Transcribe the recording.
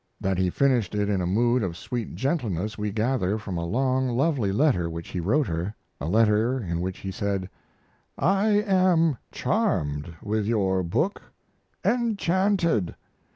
That he finished it in a mood of sweet gentleness we gather from a long, lovely letter which he wrote her a letter in which he said: I am charmed with your book enchanted.